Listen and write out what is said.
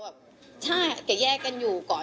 ถ้าเก๋แยกกันอยู่ก่อน